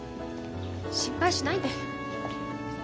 心配しないで。